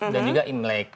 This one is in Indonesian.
dan juga imlek